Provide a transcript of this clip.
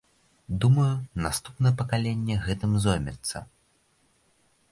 Думаю, наступнае пакаленне гэтым зоймецца.